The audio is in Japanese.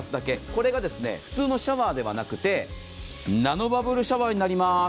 これが普通のシャワーではなくてナノバブルシャワーになります。